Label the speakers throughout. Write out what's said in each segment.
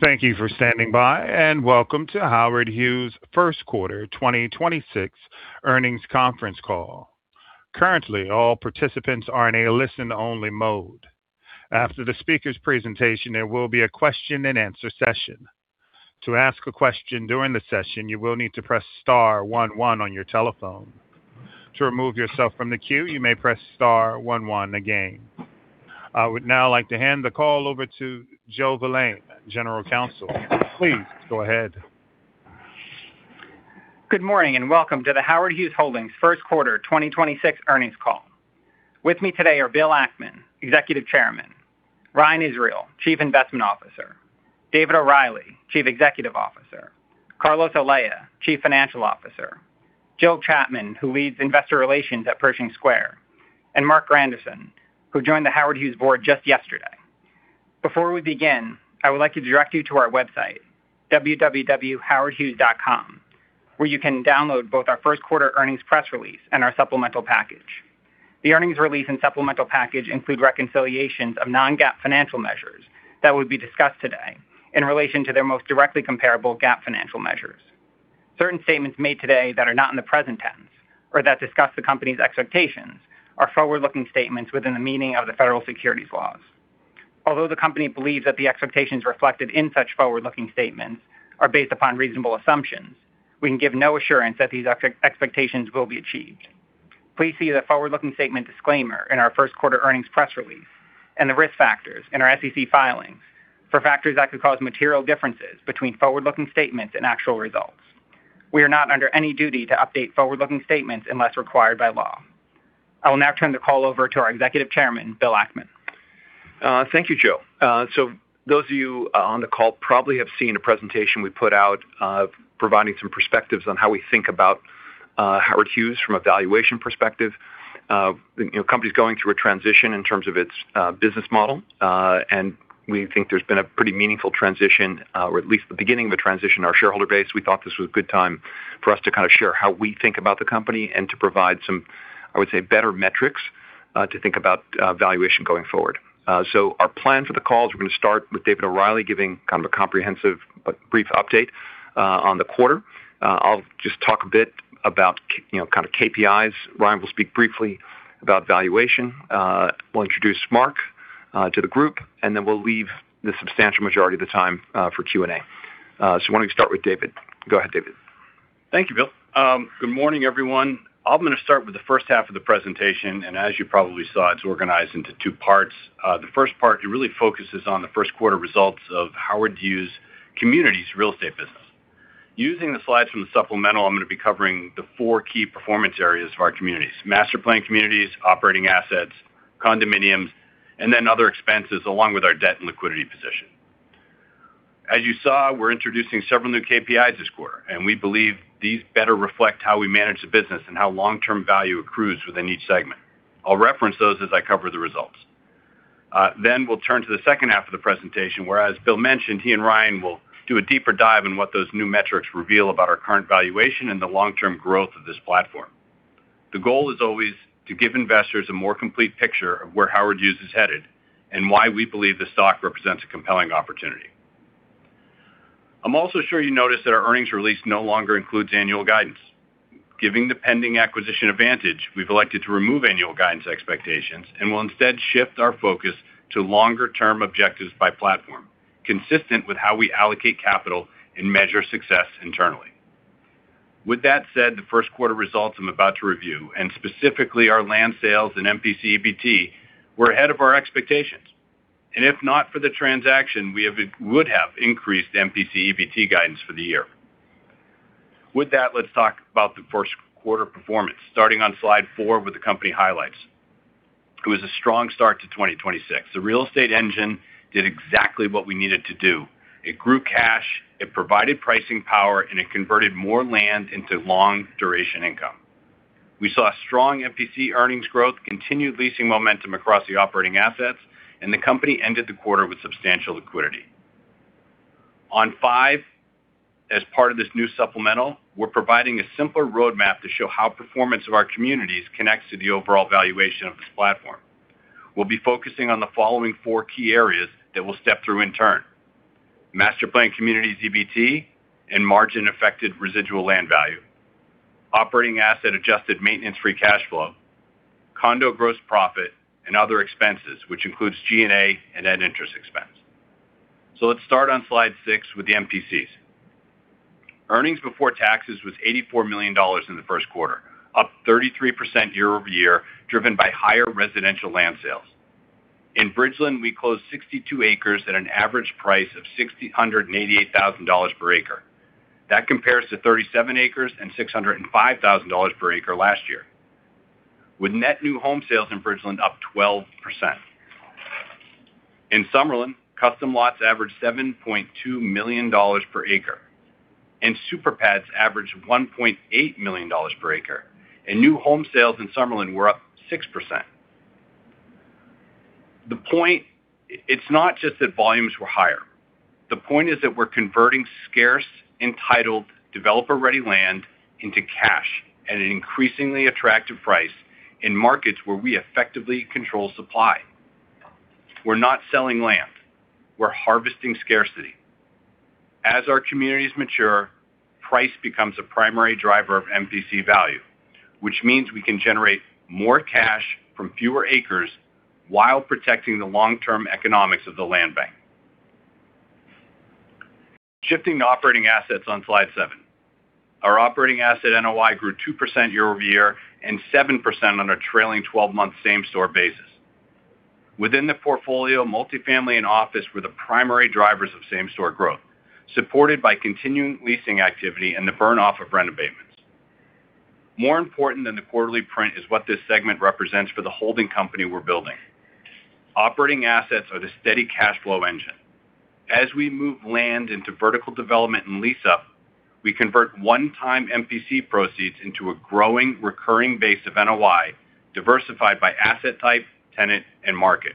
Speaker 1: Thank you for standing by, and welcome to Howard Hughes first quarter 2026 earnings conference call. Currently, all participants are in a listen-only mode. After the speaker's presentation, there will be a question and answer session. To ask a question during the session, you will need to press star one one on your telephone. To remove yourself from the queue, you may press star one one again. I would now like to hand the call over to Joe Valane, General Counsel. Please go ahead.
Speaker 2: Good morning, and welcome to the Howard Hughes Holdings first quarter 2026 earnings call. With me today are Bill Ackman, Executive Chairman. Ryan Israel, Chief Investment Officer. David O'Reilly, Chief Executive Officer. Carlos Olea, Chief Financial Officer. Joe Chapman, who leads Investor Relations at Pershing Square, and Marc Grandisson, who joined the Howard Hughes Board just yesterday. Before we begin, I would like to direct you to our website, www.howardhughes.com, where you can download both our first quarter earnings press release and our supplemental package. The earnings release and supplemental package include reconciliations of non-GAAP financial measures that will be discussed today in relation to their most directly comparable GAAP financial measures. Certain statements made today that are not in the present tense or that discuss the company's expectations are forward-looking statements within the meaning of the federal securities laws. Although the company believes that the expectations reflected in such forward-looking statements are based upon reasonable assumptions, we can give no assurance that these expectations will be achieved. Please see the forward-looking statement disclaimer in our first quarter earnings press release and the risk factors in our SEC filings for factors that could cause material differences between forward-looking statements and actual results. We are not under any duty to update forward-looking statements unless required by law. I will now turn the call over to our Executive Chairman, Bill Ackman.
Speaker 3: Thank you, Joe. So those of you on the call probably have seen a presentation we put out, providing some perspectives on how we think about Howard Hughes from a valuation perspective. You know, company's going through a transition in terms of its business model. We think there's been a pretty meaningful transition, or at least the beginning of a transition in our shareholder base. We thought this was a good time for us to kind of share how we think about the company and to provide some, I would say, better metrics, to think about valuation going forward. Our plan for the call is we're gonna start with David O'Reilly giving kind of a comprehensive but brief update, on the quarter. I'll just talk a bit about you know, kind of KPIs. Ryan will speak briefly about valuation. We'll introduce Marc to the group. We'll leave the substantial majority of the time for Q&A. Why don't we start with David? Go ahead, David.
Speaker 4: Thank you, Bill. Good morning, everyone. I'm gonna start with the first half of the presentation, and as you probably saw, it's organized into two parts. The first part, it really focuses on the first quarter results of Howard Hughes real estate business. Using the slides from the supplemental, I'm gonna be covering the four key performance areas of our communities: Master Planned Communities, Operating Assets, condominiums, and then other expenses, along with our debt and liquidity position. As you saw, we're introducing several new KPIs this quarter, and we believe these better reflect how we manage the business and how long-term value accrues within each segment. I'll reference those as I cover the results. Then we'll turn to the second half of the presentation, where, as Bill mentioned, he and Ryan will do a deeper dive on what those new metrics reveal about our current valuation and the long-term growth of this platform. The goal is always to give investors a more complete picture of where Howard Hughes is headed and why we believe the stock represents a compelling opportunity. I'm also sure you noticed that our earnings release no longer includes annual guidance. Given the pending acquisition Vantage, we've elected to remove annual guidance expectations and will instead shift our focus to longer-term objectives by platform, consistent with how we allocate capital and measure success internally. With that said, the first quarter results I'm about to review, and specifically our land sales and MPC EBT, were ahead of our expectations. If not for the transaction, we would have increased MPC EBT guidance for the year. With that, let's talk about the first quarter performance, starting on slide four with the company highlights. It was a strong start to 2026. The real estate engine did exactly what we needed to do. It grew cash, it provided pricing power, and it converted more land into long-duration income. We saw strong MPC earnings growth, continued leasing momentum across the Operating Assets, and the company ended the quarter with substantial liquidity. On five, as part of this new supplemental, we're providing a simpler roadmap to show how performance of our communities connects to the overall valuation of this platform. We'll be focusing on the following four key areas that we'll step through in turn. Master Planned Communities EBT and margin-affected residual land value, Operating Asset adjusted maintenance-free cash flow, condo gross profit and other expenses, which includes G&A and net interest expense. Let's start on slide six with the MPCs. Earnings before taxes was $84 million in the first quarter, up 33% year-over-year, driven by higher residential land sales. In Bridgeland, we closed 62 acres at an average price of $688,000 per acre. That compares to 37 acres and $605,000 per acre last year, with net new home sales in Bridgeland up 12%. In Summerlin, custom lots averaged $7.2 million per acre, and super pads averaged $1.8 million per acre, and new home sales in Summerlin were up 6%. The point, it's not just that volumes were higher. The point is that we're converting scarce entitled developer-ready land into cash. An increasingly attractive price in markets where we effectively control supply. We're not selling land. We're harvesting scarcity. As our communities mature, price becomes a primary driver of MPC value, which means we can generate more cash from fewer acres while protecting the long-term economics of the land bank. Shifting to Operating Assets on slide seven. Our Operating Asset NOI grew 2% year-over-year and 7% on a trailing 12-month same store basis. Within the portfolio, multifamily and office were the primary drivers of same store growth, supported by continuing leasing activity and the burn-off of rent abatements. More important than the quarterly print is what this segment represents for the holding company we're building. Operating Assets are the steady cash flow engine. As we move land into vertical development and lease up, we convert one-time MPC proceeds into a growing recurring base of NOI diversified by asset type, tenant, and market.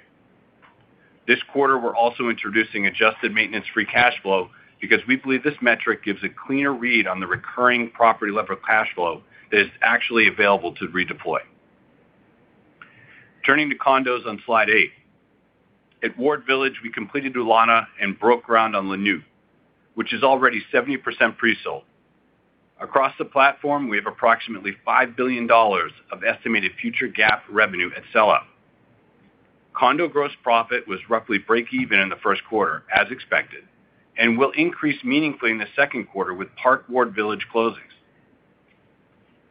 Speaker 4: This quarter, we're also introducing adjusted maintenance-free cash flow because we believe this metric gives a cleaner read on the recurring property level cash flow that is actually available to redeploy. Turning to condos on slide eight. At Ward Village, we completed Ulana and broke ground on The Launiu, which is already 70% presold. Across the platform, we have approximately $5 billion of estimated future GAAP revenue at sell up. Condo gross profit was roughly breakeven in the first quarter, as expected, and will increase meaningfully in the second quarter with The Park Ward Village closings.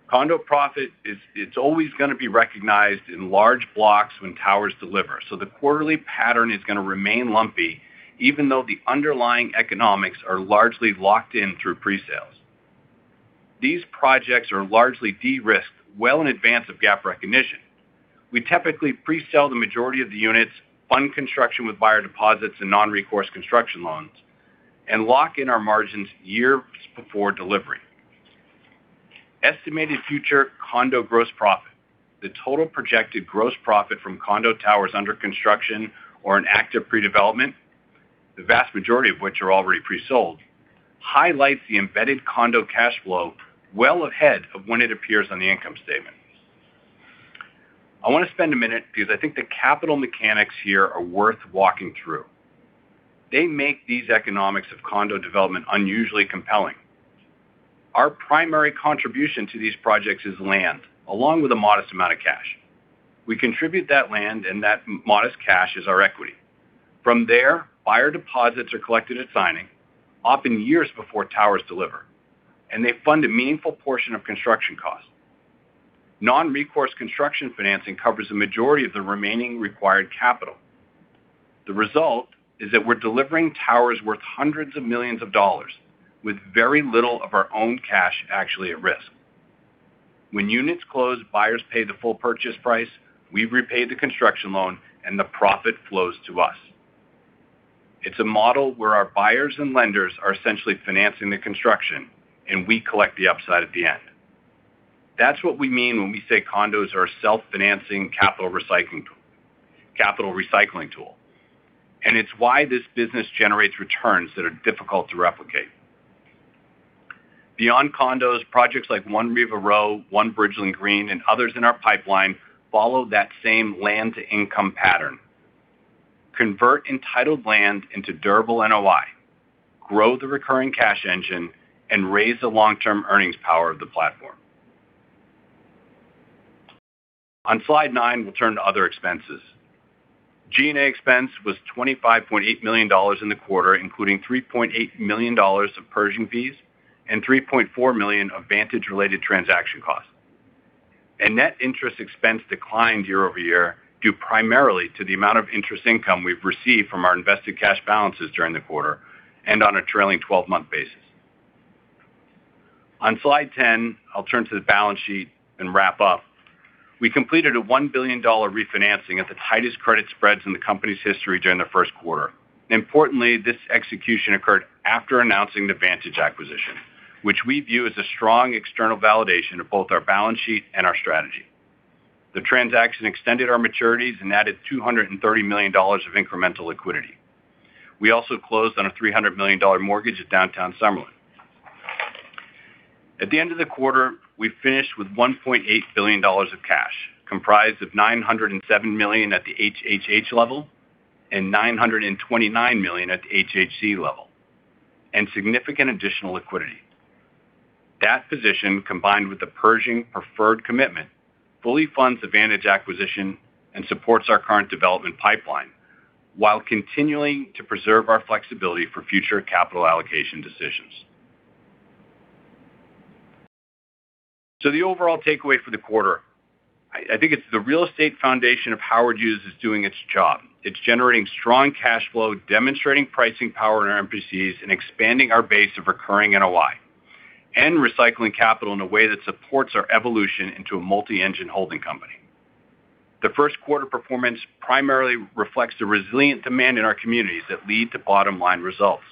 Speaker 4: Condo profit is always gonna be recognized in large blocks when towers deliver. The quarterly pattern is gonna remain lumpy, even though the underlying economics are largely locked in through presales. These projects are largely de-risked well in advance of GAAP recognition. We typically presell the majority of the units, fund construction with buyer deposits and non-recourse construction loans, and lock in our margins years before delivery. Estimated future condo gross profit, the total projected gross profit from condo towers under construction or in active pre-development, the vast majority of which are already presold, highlights the embedded condo cash flow well ahead of when it appears on the income statement. I want to spend one minute because I think the capital mechanics here are worth walking through. They make these economics of condo development unusually compelling. Our primary contribution to these projects is land, along with a modest amount of cash. We contribute that land and that modest cash as our equity. From there, buyer deposits are collected at signing, often years before towers deliver, and they fund a meaningful portion of construction costs. Non-recourse construction financing covers the majority of the remaining required capital. The result is that we're delivering towers worth hundreds of millions of dollars with very little of our own cash actually at risk. When units close, buyers pay the full purchase price, we repay the construction loan, and the profit flows to us. It's a model where our buyers and lenders are essentially financing the construction, and we collect the upside at the end. That's what we mean when we say condos are a self-financing capital recycling tool. It's why this business generates returns that are difficult to replicate. Beyond condos, projects like 1 Riva Row, One Bridgeland Green, and others in our pipeline follow that same land-to-income pattern. Convert entitled land into durable NOI, grow the recurring cash engine, and raise the long-term earnings power of the platform. On slide nine, we'll turn to other expenses. G&A expense was $25.8 million in the quarter, including $3.8 million of Pershing fees and $3.4 million of Vantage-related transaction costs. Net interest expense declined year-over-year due primarily to the amount of interest income we've received from our invested cash balances during the quarter and on a trailing 12-month basis. On slide 10, I'll turn to the balance sheet and wrap up. We completed a $1 billion refinancing at the tightest credit spreads in the company's history during the first quarter. Importantly, this execution occurred after announcing the Vantage acquisition, which we view as a strong external validation of both our balance sheet and our strategy. The transaction extended our maturities and added $230 million of incremental liquidity. We also closed on a $300 million mortgage at Downtown Summerlin. At the end of the quarter, we finished with $1.8 billion of cash, comprised of $907 million at the HHH level and $929 million at the HHC level, and significant additional liquidity. That position, combined with the Pershing preferred commitment, fully funds the Vantage acquisition and supports our current development pipeline while continuing to preserve our flexibility for future capital allocation decisions. The overall takeaway for the quarter, I think it's the real estate foundation of Howard Hughes is doing its job. It's generating strong cash flow, demonstrating pricing power in our MPCs, and expanding our base of recurring NOI, and recycling capital in a way that supports our evolution into a multi-engine holding company. The first quarter performance primarily reflects the resilient demand in our communities that lead to bottom-line results.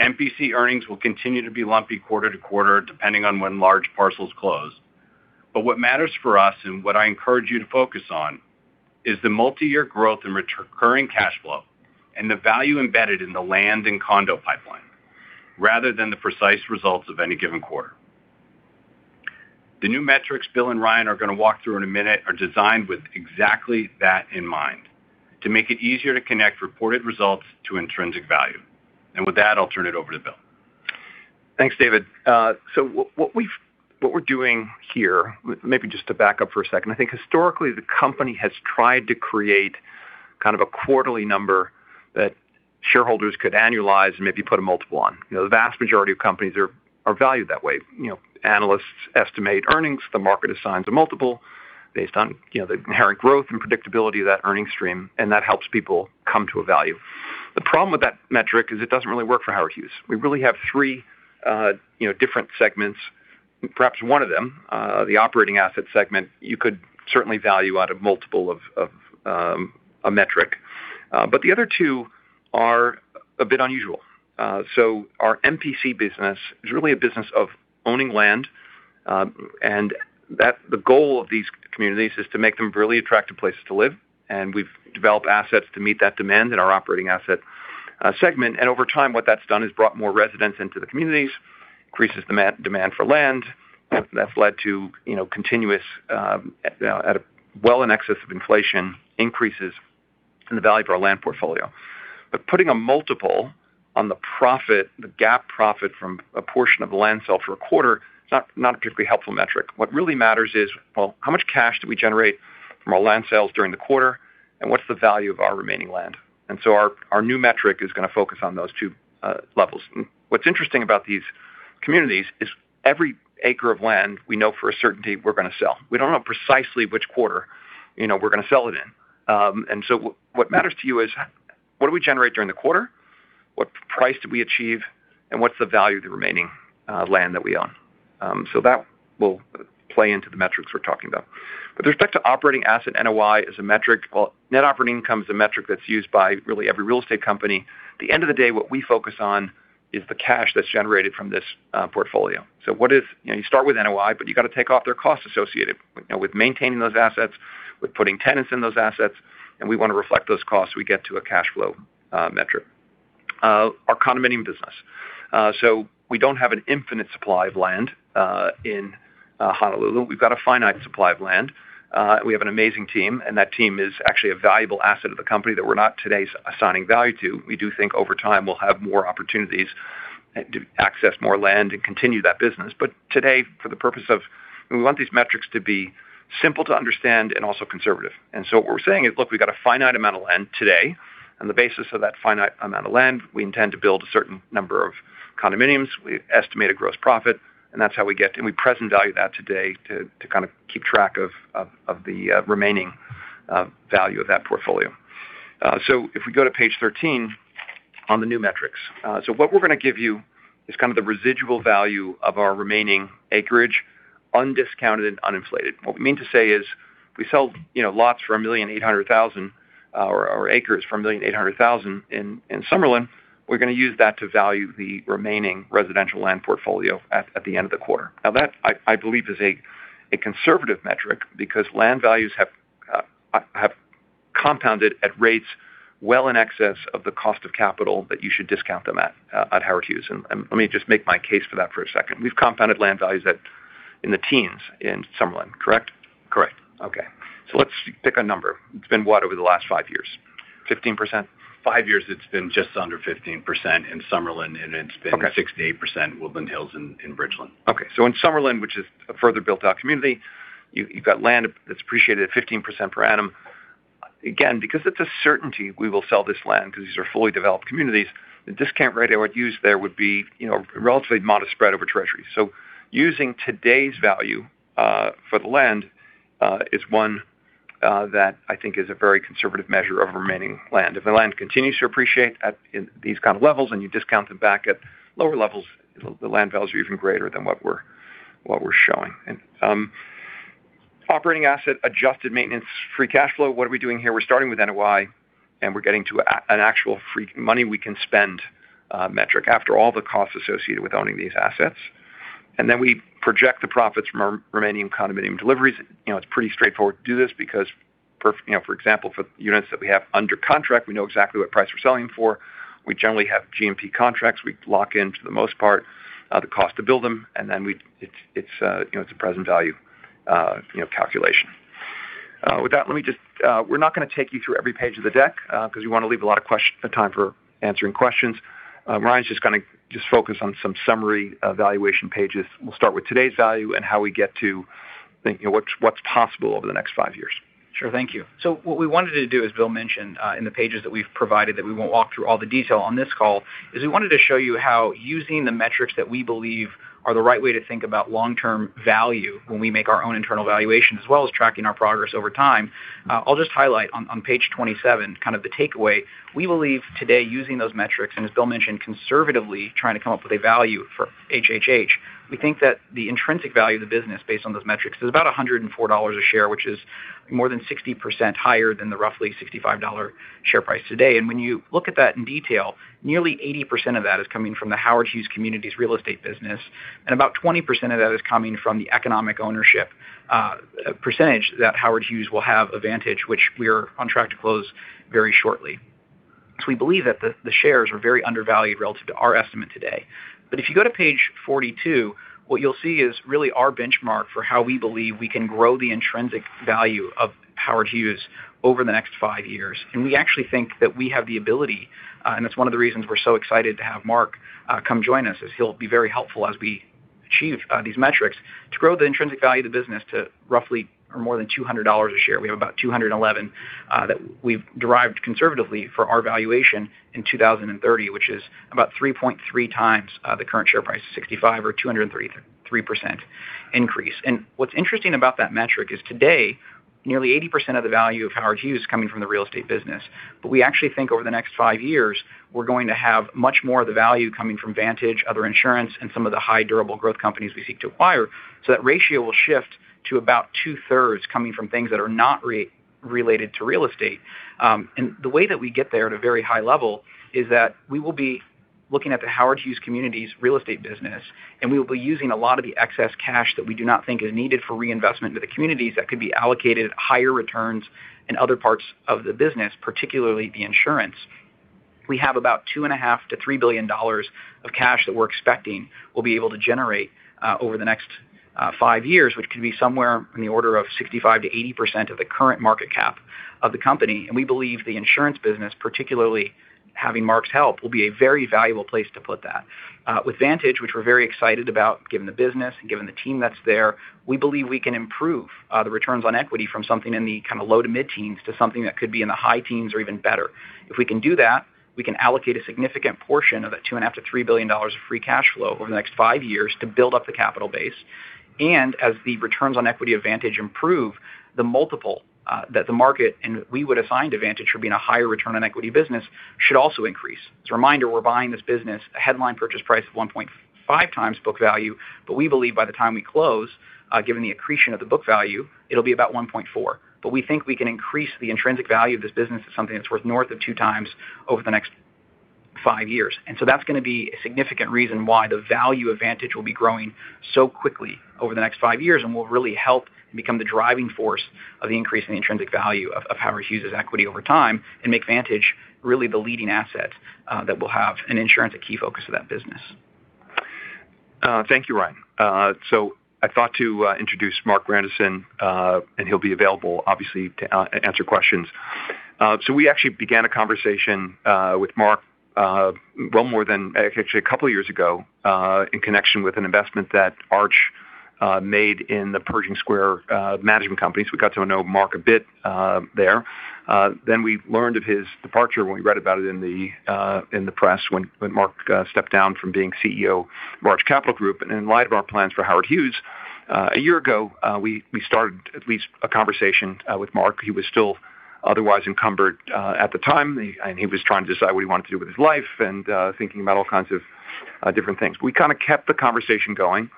Speaker 4: MPC earnings will continue to be lumpy quarter-to-quarter depending on when large parcels close. What matters for us, and what I encourage you to focus on, is the multi-year growth in recurring cash flow and the value embedded in the land and condo pipeline, rather than the precise results of any given quarter. The new metrics Bill and Ryan are going to walk through in a minute are designed with exactly that in mind, to make it easier to connect reported results to intrinsic value. With that, I'll turn it over to Bill.
Speaker 3: Thanks, David. What we're doing here, maybe just to back up for a second. I think historically, the company has tried to create kind of a quarterly number that shareholders could annualize and maybe put a multiple on. You know, the vast majority of companies are valued that way. You know, analysts estimate earnings, the market assigns a multiple based on, you know, the inherent growth and predictability of that earnings stream, and that helps people come to a value. The problem with that metric is it doesn't really work for Howard Hughes. We really have three, you know, different segments. Perhaps one of them, the Operating Asset segment, you could certainly value out a multiple of a metric. The other two are a bit unusual. Our MPC business is really a business of owning land, and the goal of these communities is to make them really attractive places to live, and we've developed assets to meet that demand in our Operating Asset segment. Over time, what that's done is brought more residents into the communities, increases demand for land. That's led to, you know, continuous, at a well in excess of inflation increases in the value of our land portfolio. Putting a multiple on the profit, the GAAP profit from a portion of the land sale for a quarter, it's not a particularly helpful metric. What really matters is, well, how much cash do we generate from our land sales during the quarter, and what's the value of our remaining land? Our new metric is going to focus on those two levels. What's interesting about these communities is every acre of land we know for a certainty we're going to sell. We don't know precisely which quarter, you know, we're going to sell it in. What matters to you is, what do we generate during the quarter? What price do we achieve, and what's the value of the remaining land that we own? That will play into the metrics we're talking about. With respect to Operating Asset, NOI is a metric. Well, net operating income is a metric that's used by really every real estate company. At the end of the day, what we focus on is the cash that's generated from this portfolio. What if, you know, you start with NOI, but you got to take off their costs associated with maintaining those assets, with putting tenants in those assets, and we want to reflect those costs. We get to a cash flow metric. Our condominium business. We don't have an infinite supply of land in Honolulu. We've got a finite supply of land. We have an amazing team, and that team is actually a valuable asset of the company that we're not today assigning value to. We do think over time, we'll have more opportunities to access more land and continue that business. Today, for the purpose of we want these metrics to be simple to understand and also conservative. What we're saying is, look, we've got a finite amount of land today. On the basis of that finite amount of land, we intend to build a certain number of condominiums. We estimate a gross profit, that's how we present value that today to kind of keep track of the remaining value of that portfolio. If we go to page 13 on the new metrics. What we're going to give you is kind of the residual value of our remaining acreage, undiscounted and uninflated. What we mean to say is if we sell, you know, lots for $1.8 million, or acres for $1.8 million in Summerlin, we're going to use that to value the remaining residential land portfolio at the end of the quarter. Now that, I believe, is a conservative metric because land values have compounded at rates well in excess of the cost of capital that you should discount them at Howard Hughes. Let me just make my case for that for a second. We've compounded land values in the teens in Summerlin, correct?
Speaker 4: Correct.
Speaker 3: Okay. Let's pick a number. It's been what over the last five years? 15%?
Speaker 4: Five years, it's been just under 15% in Summerlin.
Speaker 3: Okay.
Speaker 4: 68% The Woodlands Hills in Bridgeland.
Speaker 3: In Summerlin, which is a further built-out community, you've got land that's appreciated at 15% per annum. Again, because it's a certainty we will sell this land because these are fully developed communities, the discount rate I would use there would be, you know, a relatively modest spread over Treasury. Using today's value for the land is one that I think is a very conservative measure of remaining land. If the land continues to appreciate at these kind of levels, and you discount them back at lower levels, the land values are even greater than what we're showing. Operating Asset, adjusted maintenance free cash flow. What are we doing here? We're starting with NOI, and we're getting to an actual free money we can spend metric after all the costs associated with owning these assets. We project the profits from our remaining condominium deliveries. You know, it's pretty straightforward to do this because for, you know, for example, for units that we have under contract, we know exactly what price we're selling them for. We generally have GMP contracts. We lock in, to the most part, the cost to build them. It's, you know, it's a present value, you know, calculation. With that, we're not going to take you through every page of the deck, because we want to leave a lot of time for answering questions. Ryan's just gonna focus on some summary evaluation pages. We'll start with today's value and how we get to think, you know, what's possible over the next five years.
Speaker 5: Sure. Thank you. What we wanted to do, as Bill mentioned, in the pages that we've provided, that we won't walk through all the detail on this call, is we wanted to show you how using the metrics that we believe are the right way to think about long-term value when we make our own internal evaluation, as well as tracking our progress over time. I'll just highlight on page 27 kind of the takeaway. We believe today, using those metrics, and as Bill mentioned, conservatively trying to come up with a value for HHH, we think that the intrinsic value of the business based on those metrics is about $104 a share, which is more than 60% higher than the roughly $65 share price today. When you look at that in detail, nearly 80% of that is coming from the Howard Hughes communities real estate business, and about 20% of that is coming from the economic ownership percentage that Howard Hughes will have Vantage, which we're on track to close very shortly. We believe that the shares are very undervalued relative to our estimate today. If you go to page 42, what you'll see is really our benchmark for how we believe we can grow the intrinsic value of Howard Hughes over the next five years. We actually think that we have the ability, and it's one of the reasons we're so excited to have Marc come join us, is he'll be very helpful as we achieve these metrics to grow the intrinsic value of the business to roughly or more than $200 a share. We have about $211 that we've derived conservatively for our valuation in 2030, which is about 3.3x the current share price, $65 or 203% increase. What's interesting about that metric is today, nearly 80% of the value of Howard Hughes coming from the real estate business. We actually think over the next five years, we're going to have much more of the value coming from Vantage, other insurance, and some of the high durable growth companies we seek to acquire. That ratio will shift to about 2/3 coming from things that are not re-related to real estate. The way that we get there at a very high level is that we will be looking at the Howard Hughes communities real estate business, and we will be using a lot of the excess cash that we do not think is needed for reinvestment into the communities that could be allocated at higher returns in other parts of the business, particularly the insurance. We have about $2.5 billion-$3 billion of cash that we're expecting will be able to generate over the next five years, which can be somewhere in the order of 65%-80% of the current market cap of the company. We believe the insurance business, particularly having Marc's help, will be a very valuable place to put that. With Vantage, which we're very excited about, given the business and given the team that's there, we believe we can improve the returns on equity from something in the low-to-mid teens to something that could be in the high teens or even better. If we can do that, we can allocate a significant portion of that $2.5 billion-$3 billion of free cash flow over the next five years to build up the capital base. As the returns on equity of Vantage improve, the multiple that the market and we would assign to Vantage for being a higher return on equity business should also increase. As a reminder, we're buying this business a headline purchase price of 1.5x book value. We believe by the time we close, given the accretion of the book value, it'll be about 1.4x. We think we can increase the intrinsic value of this business to something that's worth north of 2x over the next five years. That's going to be a significant reason why the value of Vantage will be growing so quickly over the next five years and will really help and become the driving force of the increase in the intrinsic value of Howard Hughes' equity over time and make Vantage really the leading asset that we'll have, and insurance a key focus of that business.
Speaker 3: Thank you, Ryan. I thought to introduce Marc Grandisson, and he'll be available obviously to answer questions. We actually began a conversation with Marc, well more than actually a couple of years ago, in connection with an investment that Arch made in the Pershing Square management companies. We got to know Marc a bit there. We learned of his departure when we read about it in the press when Marc stepped down from being CEO of Arch Capital Group. In light of our plans for Howard Hughes, a year ago, we started at least a conversation with Marc. He was still otherwise encumbered at the time, and he was trying to decide what he wanted to do with his life and thinking about all kinds of different things. We kinda kept the conversation going.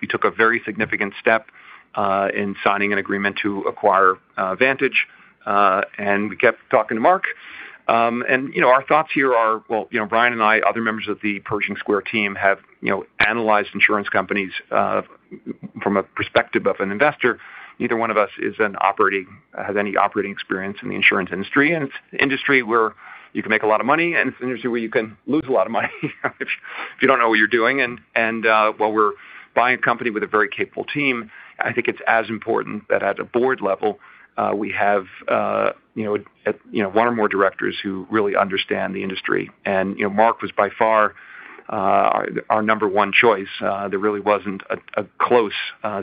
Speaker 3: We took a very significant step in signing an agreement to acquire Vantage, and we kept talking to Marc. And you know, our thoughts here are, well, you know, Ryan and I, other members of the Pershing Square team have, you know, analyzed insurance companies from a perspective of an investor. Neither one of us has any operating experience in the insurance industry, and it's an industry where you can make a lot of money, and it's an industry where you can lose a lot of money if you don't know what you're doing. While we're buying a company with a very capable team, I think it's as important that at a board level, we have, you know, one or more directors who really understand the industry. You know, Marc was by far, our number one choice. There really wasn't a close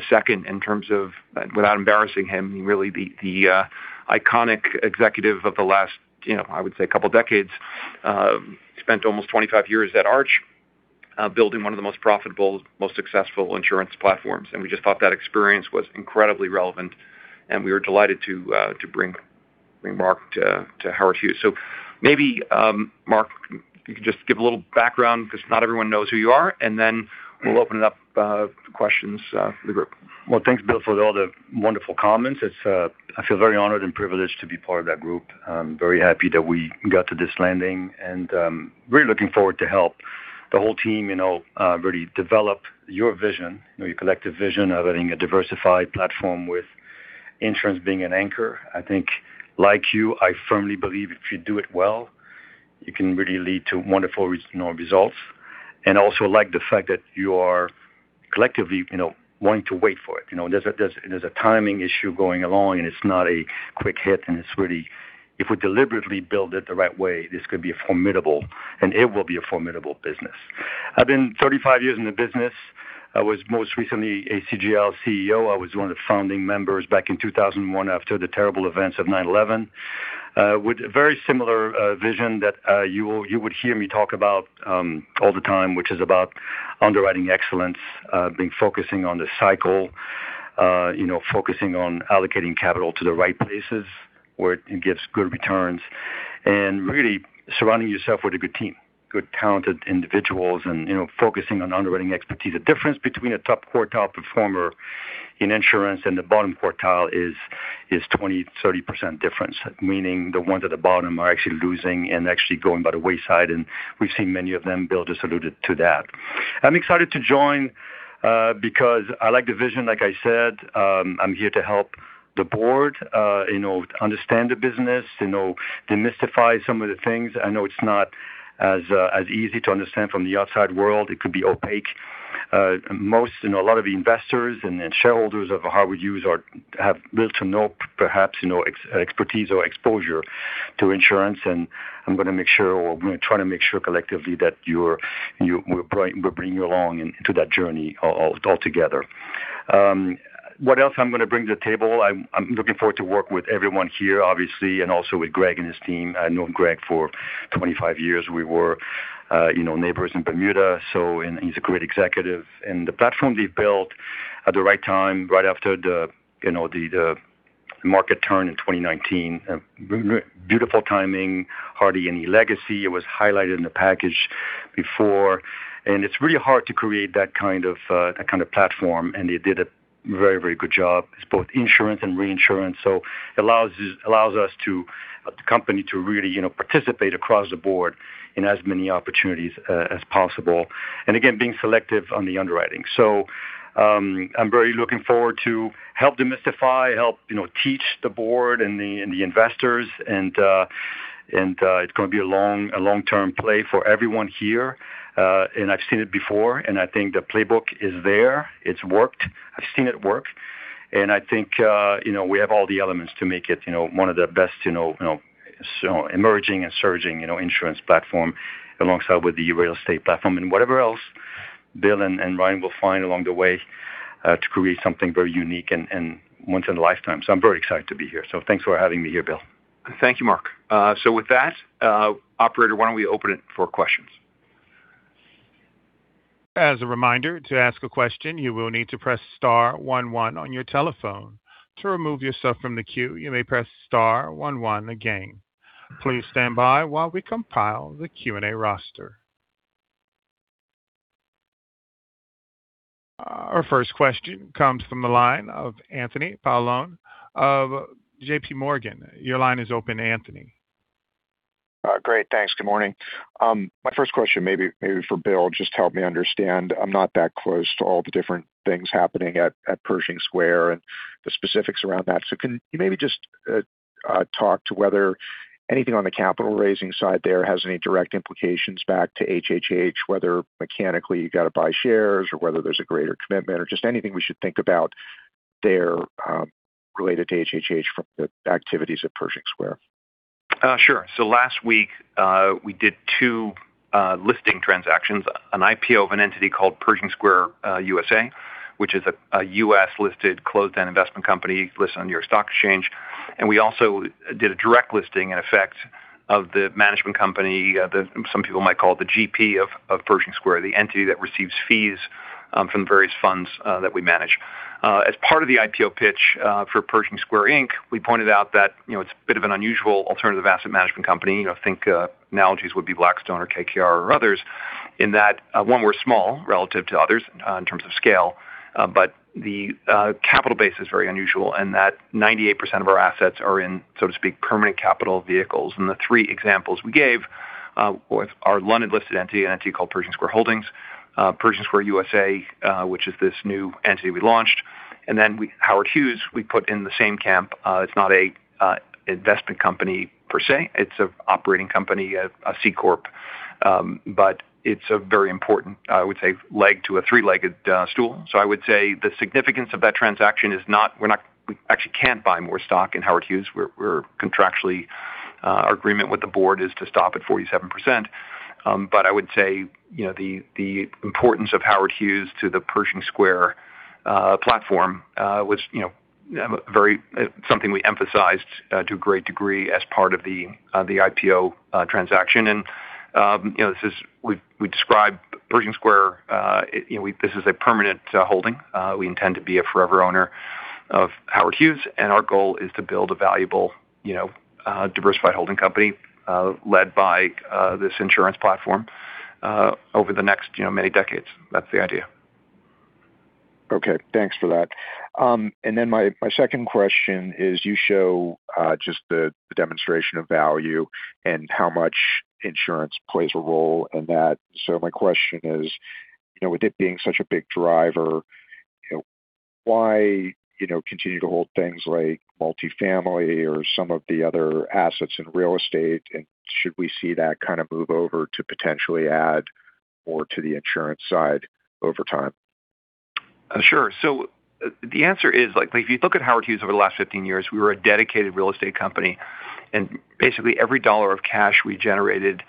Speaker 3: second in terms of, without embarrassing him, really the iconic executive of the last, you know, I would say couple decades. Spent almost 25 years at Arch, building one of the most profitable, most successful insurance platforms. We just thought that experience was incredibly relevant, and we were delighted to bring Marc to Howard Hughes. Maybe, Marc, you could just give a little background because not everyone knows who you are, and then we'll open it up to questions for the group.
Speaker 6: Well, thanks, Bill, for all the wonderful comments. It's, I feel very honored and privileged to be part of that group. I'm very happy that we got to this landing and really looking forward to help the whole team, you know, really develop your vision, you know, your collective vision of running a diversified platform with insurance being an anchor. I think like you, I firmly believe if you do it well, you can really lead to wonderful, you know, results. Also like the fact that you are collectively, you know, wanting to wait for it. You know, there's a timing issue going along, it's not a quick hit, it's really, if we deliberately build it the right way, this could be a formidable, and it will be a formidable business. I've been 35 years in the business. I was most recently ACGL CEO. I was one of the founding members back in 2001 after the terrible events of 9/11. With a very similar vision that you would hear me talk about all the time, which is about underwriting excellence, being focusing on the cycle, you know, focusing on allocating capital to the right places where it gives good returns, and really surrounding yourself with a good team, good talented individuals and, you know, focusing on underwriting expertise. The difference between a top quartile performer in insurance and the bottom quartile is 20%-30% difference, meaning the ones at the bottom are actually losing and actually going by the wayside. We've seen many of them. Bill just alluded to that. I'm excited to join because I like the vision, like I said. I'm here to help the board, you know, understand the business, you know, demystify some of the things. I know it's not as easy to understand from the outside world. It could be opaque. You know, a lot of investors and shareholders of Howard Hughes have little to no perhaps, you know, expertise or exposure to insurance. I'm gonna make sure or we're trying to make sure collectively that you we're bringing you along into that journey altogether. What else I'm gonna bring to the table, I'm looking forward to work with everyone here, obviously, and also with Greg and his team. I've known Greg for 25 years. We were, you know, neighbors in Bermuda, so and he's a great executive. The platform they built at the right time, right after the, you know, the market turn in 2019, beautiful timing, Hardy & Cie legacy. It was highlighted in the package before. It's really hard to create that kind of that kind of platform, and they did a very, very good job. It's both insurance and reinsurance, so allows us to the company to really, you know, participate across the board in as many opportunities as possible, and again, being selective on the underwriting. I'm very looking forward to help demystify, help, you know, teach the board and the investors and it's gonna be a long-term play for everyone here. I've seen it before, and I think the playbook is there. It's worked. I've seen it work. I think, you know, we have all the elements to make it, you know, one of the best, sort of emerging and surging, you know, insurance platform alongside with the real estate platform and whatever else Bill and Ryan will find along the way, to create something very unique and once in a lifetime. I'm very excited to be here. Thanks for having me here, Bill.
Speaker 3: Thank you, Marc. With that, Operator, why don't we open it for questions?
Speaker 1: As a reminder, to ask a question, you will need to press star one one on your telephone. To remove yourself from the queue, you may press star one one again. Please stand by while we compile the Q&A roster. Our first question comes from the line of Anthony Paolone of JPMorgan. Your line is open, Anthony.
Speaker 7: Great. Thanks. Good morning. My first question maybe for Bill, just help me understand. I'm not that close to all the different things happening at Pershing Square and the specifics around that. Can you maybe just talk to whether anything on the capital raising side there has any direct implications back to HHH, whether mechanically you gotta buy shares or whether there's a greater commitment or just anything we should think about there related to HHH from the activities at Pershing Square?
Speaker 3: Sure. Last week, we did two listing transactions, an IPO of an entity called Pershing Square USA, which is a U.S.-listed closed-end investment company listed on New York Stock Exchange. We also did a direct listing in effect of the management company, some people might call it the GP of Pershing Square, the entity that receives fees from various funds that we manage. As part of the IPO pitch for Pershing Square Inc, we pointed out that, you know, it's a bit of an unusual alternative asset management company. You know, think, analogies would be Blackstone or KKR or others in that, one, we're small relative to others in terms of scale. The capital base is very unusual in that 98% of our assets are in, so to speak, permanent capital vehicles. The three examples we gave was our London-listed entity, an entity called Pershing Square Holdings, Pershing Square USA, which is this new entity we launched, and then Howard Hughes we put in the same camp. It's not a investment company per se. It's a operating company, a C corp. It's a very important, I would say, leg to a three-legged stool. I would say the significance of that transaction, we actually can't buy more stock in Howard Hughes. We're contractually, our agreement with the board is to stop at 47%. I would say, you know, the importance of Howard Hughes to the Pershing Square platform was, you know, very something we emphasized to a great degree as part of the IPO transaction. You know, we describe Pershing Square, you know, this is a permanent holding. We intend to be a forever owner of Howard Hughes, and our goal is to build a valuable, you know, diversified holding company led by this insurance platform over the next, you know, many decades. That's the idea.
Speaker 7: Okay. Thanks for that. My second question is you show just the demonstration of value and how much insurance plays a role in that. My question is, you know, with it being such a big driver, you know, why, you know, continue to hold things like multifamily or some of the other assets in real estate, and should we see that kind of move over to potentially add more to the insurance side over time?
Speaker 3: Sure. The answer is, like, if you look at Howard Hughes over the last 15 years, we were a dedicated real estate company, and basically, every dollar of cash we generated,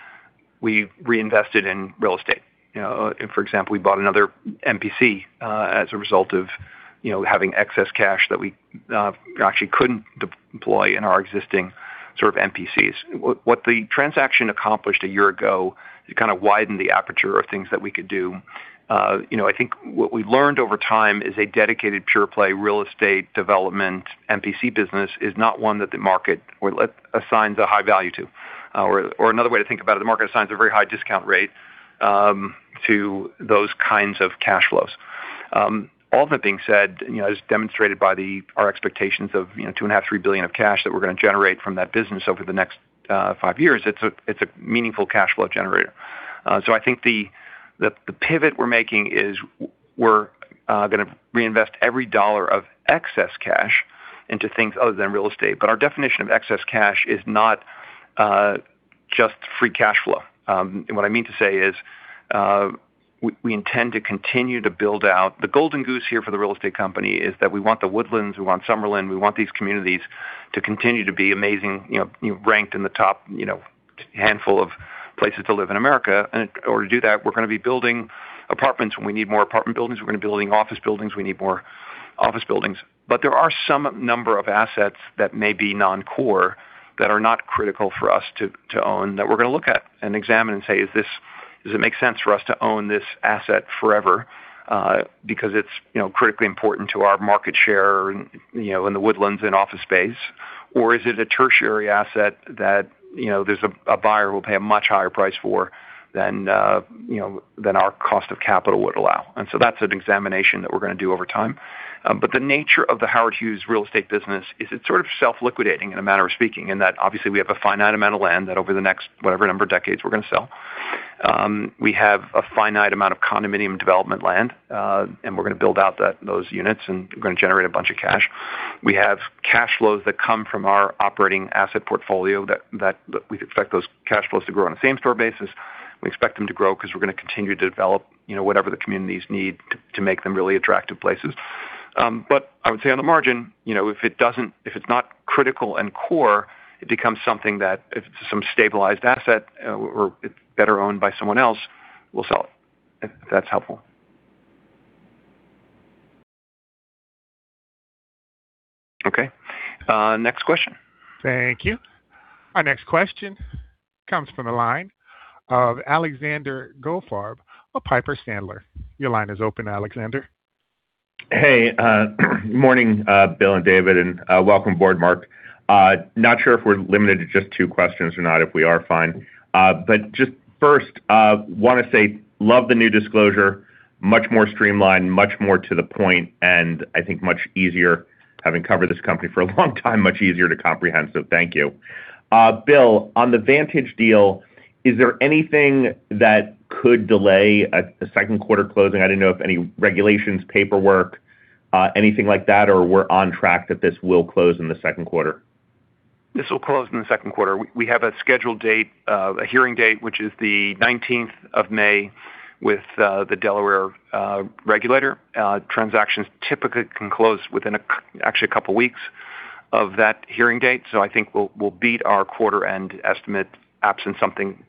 Speaker 3: we reinvested in real estate. You know, for example, we bought another MPC, as a result of, you know, having excess cash that we actually couldn't deploy in our existing sort of MPCs. What the transaction accomplished a year ago, it kind of widened the aperture of things that we could do. You know, I think what we learned over time is a dedicated pure play real estate development MPC business is not one that the market will assign the high value to. Another way to think about it, the market assigns a very high discount rate to those kinds of cash flows. All that being said, you know, as demonstrated by our expectations of, you know, $2.5 billion-$3 billion of cash that we're gonna generate from that business over the next five years, it's a meaningful cash flow generator. I think the pivot we're making is we're gonna reinvest every dollar of excess cash into things other than real estate. Our definition of excess cash is not just free cash flow. What I mean to say is, we intend to continue to build out the golden goose here for the real estate company is that we want The Woodlands, we want Summerlin, we want these communities to continue to be amazing, you know, you ranked in the top, you know, handful of places to live in America. In order to do that, we're gonna be building apartments when we need more apartment buildings, we're gonna be building office buildings, we need more office buildings. There are some number of assets that may be non-core that are not critical for us to own that we're gonna look at and examine and say, does it make sense for us to own this asset forever, because it's, you know, critically important to our market share, you know, in The Woodlands in office space? Is it a tertiary asset that, you know, there's a buyer will pay a much higher price for than, you know, than our cost of capital would allow? That's an examination that we're gonna do over time. The nature of the Howard Hughes real estate business is it's sort of self-liquidating in a matter of speaking, in that obviously we have a finite amount of land that over the next whatever number of decades we're gonna sell. We have a finite amount of condominium development land, and we're gonna build out those units and gonna generate a bunch of cash. We have cash flows that come from our Operating Asset portfolio that we expect those cash flows to grow on a same store basis. We expect them to grow because we're gonna continue to develop, you know, whatever the communities need to make them really attractive places. I would say on the margin, you know, if it's not critical and core, it becomes something that if it's some stabilized asset or it's better owned by someone else, we'll sell it, if that's helpful. Okay. next question.
Speaker 1: Thank you. Our next question comes from the line of Alexander Goldfarb of Piper Sandler. Your line is open, Alexander.
Speaker 8: Hey, morning, Bill and David, and welcome board, Marc. Not sure if we're limited to just two questions or not. If we are, fine. Just first, wanna say love the new disclosure, much more streamlined, much more to the point, and I think much easier having covered this company for a long time, much easier to comprehend, so thank you. Bill, on the Vantage deal, is there anything that could delay a second quarter closing? I didn't know if any regulations, paperwork, anything like that or we're on track that this will close in the second quarter.
Speaker 3: This will close in the second quarter. We have a scheduled date, a hearing date, which is the 19th of May with the Delaware regulator. Transactions typically can close within actually a couple weeks of that hearing date. I think we'll beat our quarter end estimate absent something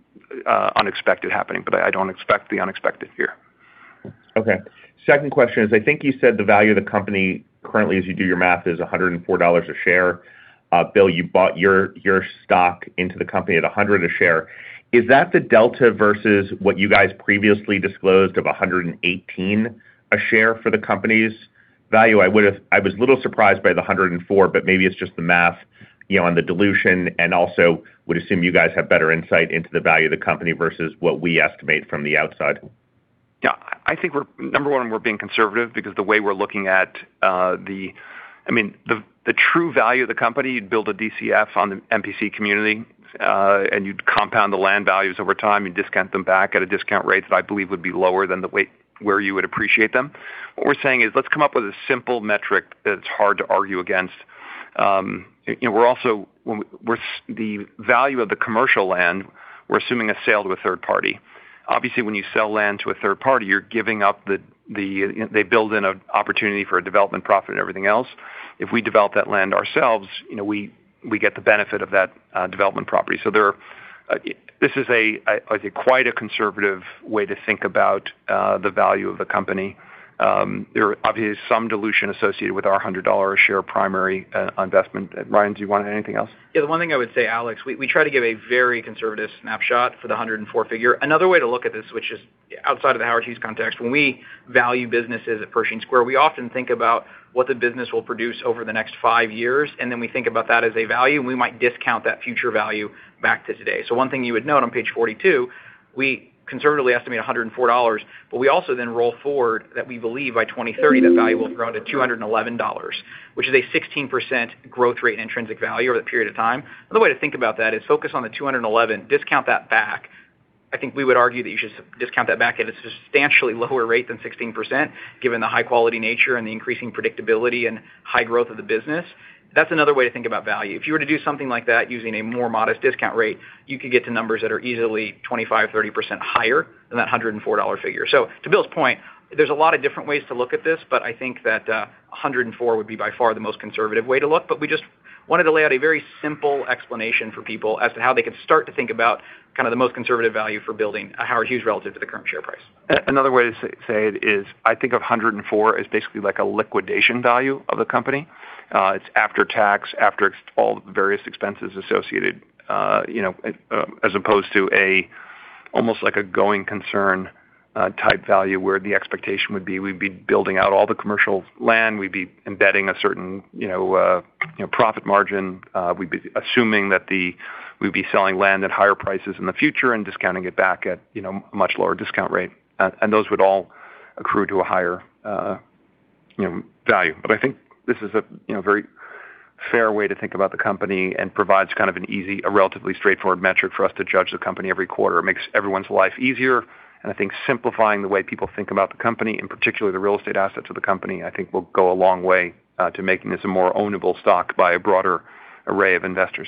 Speaker 3: unexpected happening, but I don't expect the unexpected here.
Speaker 8: Okay. Second question is, I think you said the value of the company currently as you do your math is $104 a share. Bill, you bought your stock into the company at $100 a share. Is that the delta versus what you guys previously disclosed of $118 a share for the company's value? I was a little surprised by the $104, but maybe it's just the math, you know, on the dilution, also would assume you guys have better insight into the value of the company versus what we estimate from the outside.
Speaker 3: I think we're number one, we're being conservative because the way we're looking at, I mean, the true value of the company, you'd build a DCF on the MPC community, and you'd compound the land values over time. You discount them back at a discount rate that I believe would be lower than where you would appreciate them. What we're saying is, let's come up with a simple metric that's hard to argue against. You know, the value of the commercial land, we're assuming a sale to a third party. Obviously, when you sell land to a third party, you're giving up the, they build in a opportunity for a development profit and everything else. If we develop that land ourselves, you know, we get the benefit of that development property. There are, this is a, I think, quite a conservative way to think about the value of the company. There are obviously some dilution associated with our $100 a share primary investment. Ryan, do you want to add anything else?
Speaker 5: Yeah. The one thing I would say, Alex, we try to give a very conservative snapshot for the $104 figure. Another way to look at this, which is outside of the Howard Hughes context, when we value businesses at Pershing Square, we often think about what the business will produce over the next five years, and then we think about that as a value, and we might discount that future value back to today. One thing you would note on page 42, we conservatively estimate $104, we also then roll forward that we believe by 2030 that value will grow to $211, which is a 16% growth rate in intrinsic value over that period of time. Another way to think about that is focus on the $211, discount that back. I think we would argue that you should discount that back at a substantially lower rate than 16%, given the high quality nature and the increasing predictability and high growth of the business. That's another way to think about value. If you were to do something like that using a more modest discount rate, you could get to numbers that are easily 25%-30% higher than that $104 figure. To Bill's point, there's a lot of different ways to look at this, but I think that $104 would be by far the most conservative way to look. We just wanted to lay out a very simple explanation for people as to how they could start to think about kind of the most conservative value for building a Howard Hughes relative to the current share price.
Speaker 3: Another way to say it is I think of $104 as basically like a liquidation value of the company. It's after tax, after all the various expenses associated, you know, as opposed to almost like a going concern type value where the expectation would be we'd be building out all the commercial land, we'd be embedding a certain, you know, profit margin. We'd be assuming that we'd be selling land at higher prices in the future and discounting it back at, you know, much lower discount rate. Those would all accrue to a higher, you know, value. I think this is a, you know, very fair way to think about the company and provides kind of an easy, a relatively straightforward metric for us to judge the company every quarter. It makes everyone's life easier, and I think simplifying the way people think about the company, and particularly the real estate assets of the company, I think will go a long way to making this a more ownable stock by a broader array of investors.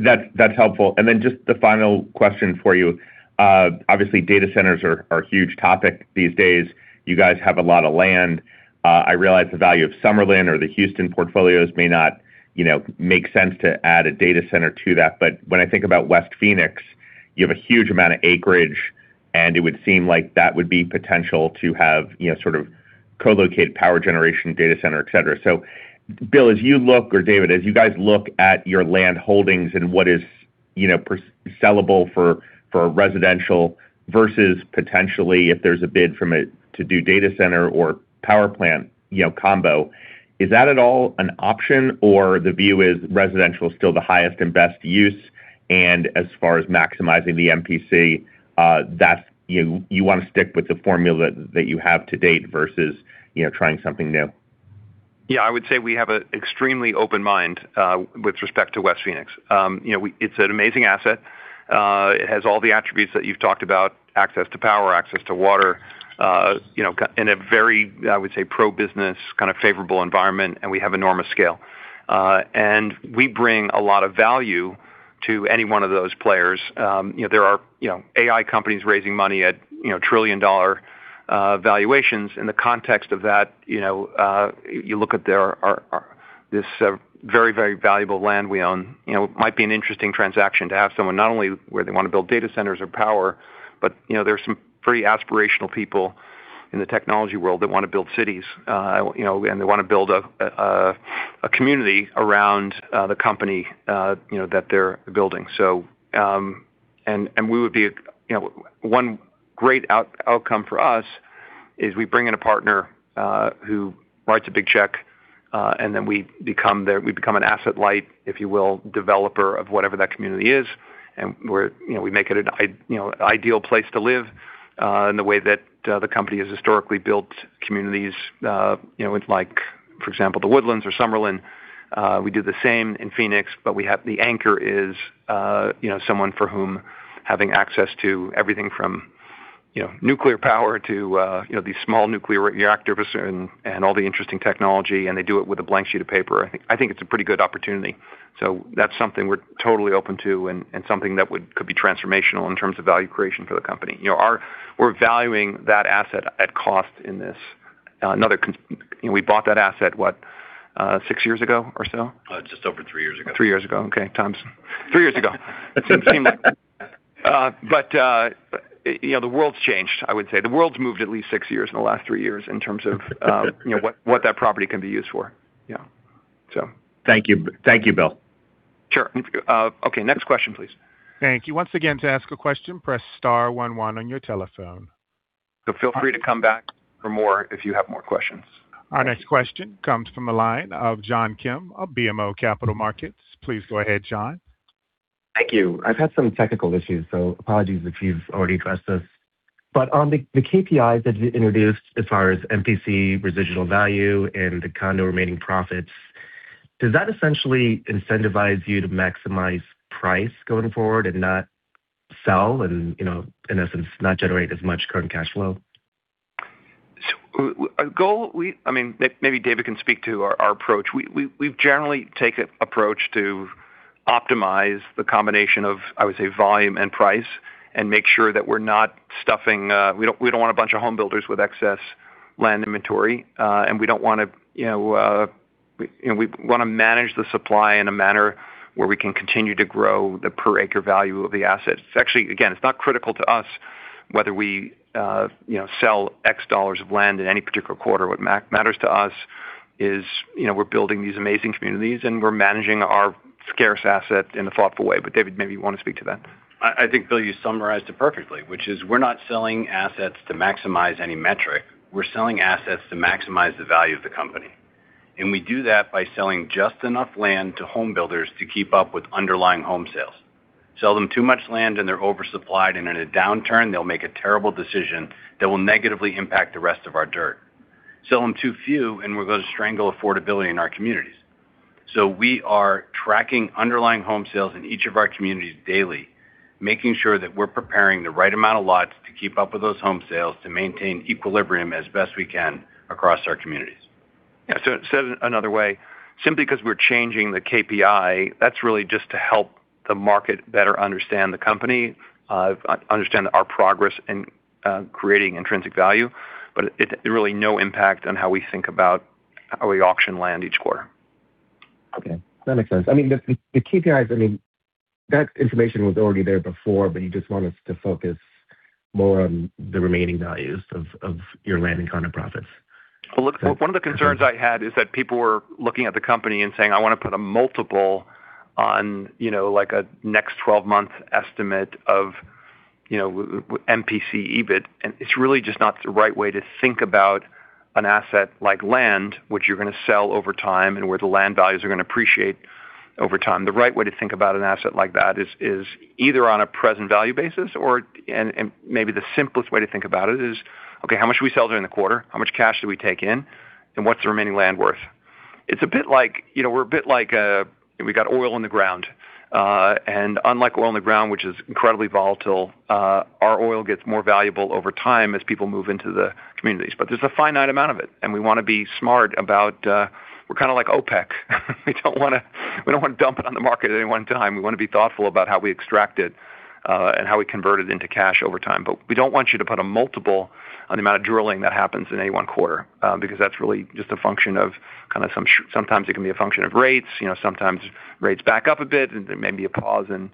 Speaker 8: That's helpful. Then just the final question for you. Obviously, data centers are a huge topic these days. You guys have a lot of land. I realize the value of Summerlin or the Houston portfolios may not, you know, make sense to add a data center to that, but when I think about West Phoenix, you have a huge amount of acreage, and it would seem like that would be potential to have, you know, sort of co-located power generation data center, et cetera. Bill, as you look or David, as you guys look at your land holdings and what is, you know, sellable for residential versus potentially if there's a bid to do data center or power plant, you know, combo, is that at all an option or the view is residential is still the highest and best use, and as far as maximizing the MPC, that's you wanna stick with the formula that you have to date versus, you know, trying something new?
Speaker 3: Yeah, I would say we have a extremely open mind with respect to West Phoenix. You know, it's an amazing asset. It has all the attributes that you've talked about, access to power, access to water, you know, in a very, I would say, pro-business kind of favorable environment, and we have enormous scale. We bring a lot of value to any one of those players. You know, there are, you know, AI companies raising money at, you know, trillion-dollar valuations. In the context of that, you know, you look at this very, very valuable land we own. You know, it might be an interesting transaction to have someone not only where they wanna build data centers or power, but you know, there's some pretty aspirational people in the technology world that wanna build cities, you know, and they wanna build a community around the company, you know, that they're building. We would be, you know, one great outcome for us is we bring in a partner who writes a big check, and then we become an asset light, if you will, developer of whatever that community is. We're, you know, we make it, you know, an ideal place to live in the way that the company has historically built communities, you know, with like, for example, The Woodlands or Summerlin. We do the same in Phoenix, we have the anchor is, you know, someone for whom having access to everything from, you know, nuclear power to, you know, these small nuclear reactors and all the interesting technology, and they do it with a blank sheet of paper. I think it's a pretty good opportunity. That's something we're totally open to and something that could be transformational in terms of value creation for the company. You know, we're valuing that asset at cost in this. Another, you know, we bought that asset, what, six years ago or so?
Speaker 4: Just over three years ago.
Speaker 3: Three years ago. Okay. Three years ago. Doesn't seem like, you know, the world's changed, I would say. The world's moved at least six years in the last three years in terms of, you know, what that property can be used for. Yeah.
Speaker 8: Thank you. Thank you, Bill.
Speaker 3: Sure. Okay, next question, please.
Speaker 1: Thank you. Once again, to ask a question, press one one on your telephone.
Speaker 3: Feel free to come back for more if you have more questions.
Speaker 1: Our next question comes from the line of John Kim of BMO Capital Markets. Please go ahead, John.
Speaker 9: Thank you. I've had some technical issues, so apologies if you've already addressed this. On the KPIs that you introduced as far as MPC residual value and the condo remaining profits, does that essentially incentivize you to maximize price going forward and not sell and, you know, in essence, not generate as much current cash flow?
Speaker 3: I mean, maybe David can speak to our approach. We've generally take a approach to optimize the combination of, I would say, volume and price and make sure that we're not stuffing. We don't want a bunch of home builders with excess land inventory, and we don't wanna, you know, you know, we wanna manage the supply in a manner where we can continue to grow the per acre value of the asset. It's actually, again, it's not critical to us whether we, you know, sell X dollars of land in any particular quarter. What matters to us is, you know, we're building these amazing communities, and we're managing our scarce asset in a thoughtful way. David, maybe you wanna speak to that.
Speaker 4: I think, Bill, you summarized it perfectly, which is we're not selling assets to maximize any metric. We're selling assets to maximize the value of the company. We do that by selling just enough land to home builders to keep up with underlying home sales. Sell them too much land, and they're oversupplied, and in a downturn, they'll make a terrible decision that will negatively impact the rest of our dirt. Sell them too few, and we're gonna strangle affordability in our communities. We are tracking underlying home sales in each of our communities daily, making sure that we're preparing the right amount of lots to keep up with those home sales to maintain equilibrium as best we can across our communities.
Speaker 3: Yeah. Said another way, simply because we're changing the KPI, that's really just to help the market better understand the company, understand our progress in creating intrinsic value. really no impact on how we think about how we auction land each quarter.
Speaker 9: Okay. That makes sense. I mean, the KPIs, I mean, that information was already there before, but you just want us to focus more on the remaining values of your land and condo profits.
Speaker 3: Look, one of the concerns I had is that people were looking at the company and saying, "I wanna put a multiple on, you know, like, a next 12-month estimate of, you know, MPC EBT," and it's really just not the right way to think about an asset like land, which you're gonna sell over time and where the land values are gonna appreciate. Over time, the right way to think about an asset like that is either on a present value basis or, and maybe the simplest way to think about it is, okay, how much do we sell during the quarter? How much cash do we take in? What's the remaining land worth? It's a bit like, you know, we're a bit like, we got oil in the ground. Unlike oil in the ground, which is incredibly volatile, our oil gets more valuable over time as people move into the communities. There's a finite amount of it, and we wanna be smart about. We're kinda like OPEC. We don't wanna dump it on the market at any one time. We wanna be thoughtful about how we extract it and how we convert it into cash over time. We don't want you to put a multiple on the amount of drilling that happens in any one quarter, because that's really just a function of kinda sometimes it can be a function of rates. You know, sometimes rates back up a bit and there may be a pause in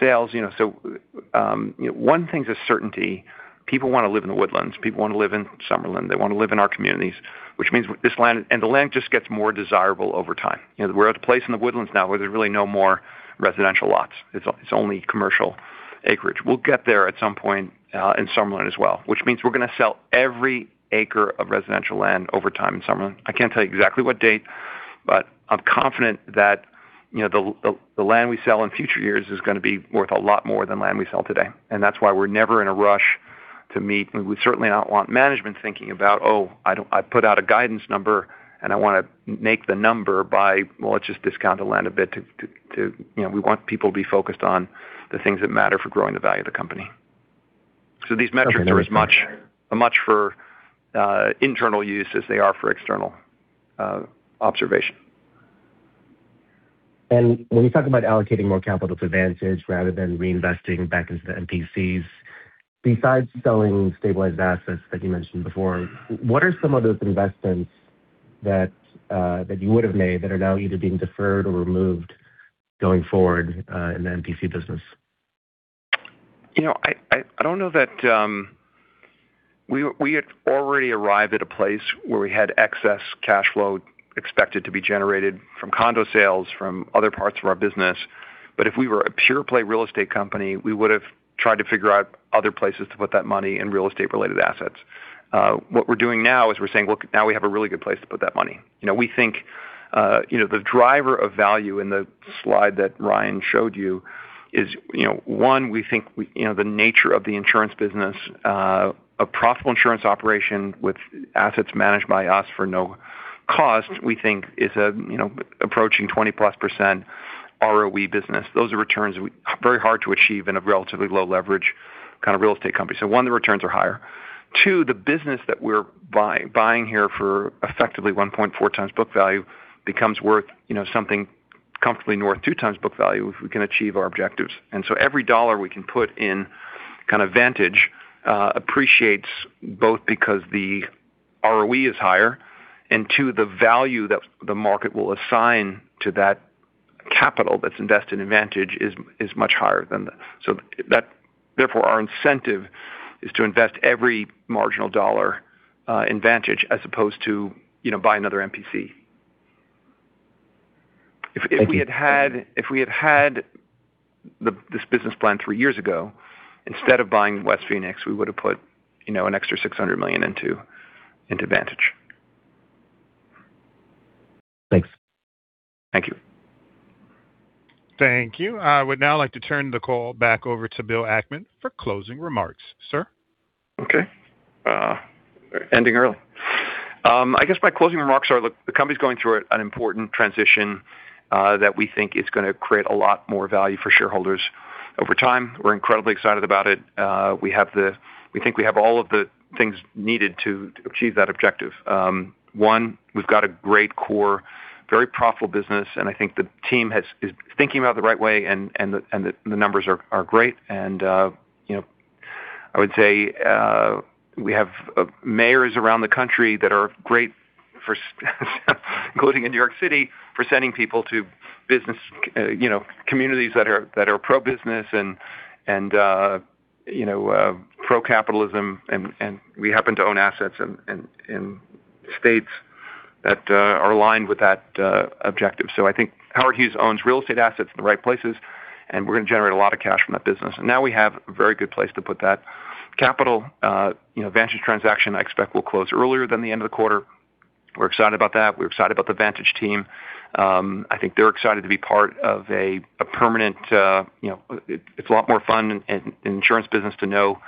Speaker 3: sales, you know. You know, one thing's a certainty, people wanna live in The Woodlands, people wanna live in Summerlin, they wanna live in our communities, which means this land, and the land just gets more desirable over time. You know, we're at a place in The Woodlands now where there's really no more residential lots. It's only commercial acreage. We'll get there at some point in Summerlin as well, which means we're gonna sell every acre of residential land over time in Summerlin. I can't tell you exactly what date, but I'm confident that, you know, the land we sell in future years is gonna be worth a lot more than land we sell today. That's why we're never in a rush to meet. We would certainly not want management thinking about, "Oh, I put out a guidance number, and I wanna make the number by, well, let's just discount the land a bit to." You know, we want people to be focused on the things that matter for growing the value of the company. These metrics are as much for internal use as they are for external observation.
Speaker 9: When you talk about allocating more capital to Vantage rather than reinvesting back into the MPCs, besides selling stabilized assets that you mentioned before, what are some of those investments that you would've made that are now either being deferred or removed going forward in the MPC business?
Speaker 3: You know, I don't know that We had already arrived at a place where we had excess cash flow expected to be generated from condo sales from other parts of our business, but if we were a pure play real estate company, we would've tried to figure out other places to put that money in real estate related assets. What we're doing now is we're saying, "Look, now we have a really good place to put that money." We think the driver of value in the slide that Ryan showed you is one, we think the nature of the insurance business, a profitable insurance operation with assets managed by us for no cost, we think is approaching 20%+ ROE business. Those are returns we very hard to achieve in a relatively low leverage kind of real estate company. One, the returns are higher. Two, the business that we're buying here for effectively 1.4x book value becomes worth, you know, something comfortably north of 2x book value if we can achieve our objectives. Every dollar we can put in kind of Vantage appreciates both because the ROE is higher, and two, the value that the market will assign to that capital that's invested in Vantage is much higher than the Therefore, our incentive is to invest every marginal dollar in Vantage as opposed to, you know, buy another MPC.
Speaker 9: Thank you.
Speaker 3: If we had had this business plan three years ago, instead of buying West Phoenix, we would've put, you know, an extra $600 million into Vantage.
Speaker 9: Thanks.
Speaker 3: Thank you.
Speaker 1: Thank you. I would now like to turn the call back over to Bill Ackman for closing remarks. Sir?
Speaker 3: Okay. Ending early. I guess my closing remarks are, look, the company's going through an important transition that we think is gonna create a lot more value for shareholders over time. We're incredibly excited about it. We think we have all of the things needed to achieve that objective. One, we've got a great core, very profitable business, and I think the team is thinking about it the right way, and the numbers are great. You know, I would say, we have mayors around the country that are great for including in New York City, for sending people to business, you know, communities that are pro-business and, you know, pro-capitalism and we happen to own assets in states that are aligned with that objective. I think Howard Hughes owns real estate assets in the right places, and we're gonna generate a lot of cash from that business. Now we have a very good place to put that capital. You know, Vantage transaction I expect will close earlier than the end of the quarter. We're excited about that. We're excited about the Vantage team. I think they're excited to be part of a permanent, you know, it's a lot more fun in insurance business to know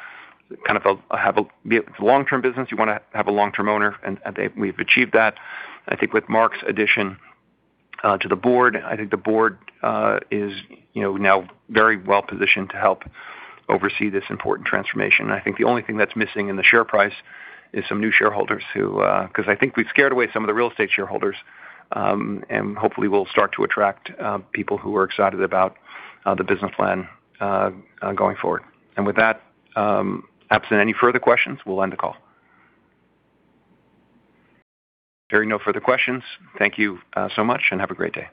Speaker 3: kind of a, have a, be a long-term business. You wanna have a long-term owner, and we've achieved that. I think with Marc's addition to the board, I think the board is, you know, now very well positioned to help oversee this important transformation. I think the only thing that's missing in the share price is some new shareholders who, 'cause I think we've scared away some of the real estate shareholders, and hopefully we'll start to attract people who are excited about the business plan going forward. With that, absent any further questions, we'll end the call. Hearing no further questions, thank you, so much and have a great day.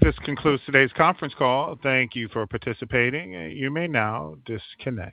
Speaker 1: This concludes today's conference call. Thank you for participating. You may now disconnect.